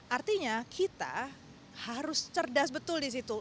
artinya kita harus cerdas betul di situ